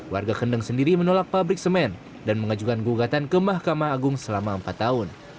warga kendeng sendiri menolak pabrik semen dan mengajukan gugatan ke mahkamah agung selama empat tahun